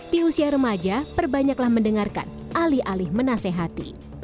di usia remaja perbanyaklah mendengarkan alih alih menasehati